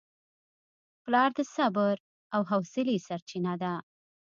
پلار د صبر او حوصلې سرچینه ده.